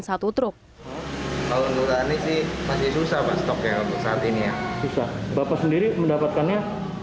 satu truk kalau nulani sih masih susah pak stok yang saat ini ya bisa bapak sendiri mendapatkannya